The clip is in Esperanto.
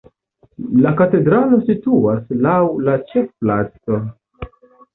La katedralo situas laŭ la ĉefplaco.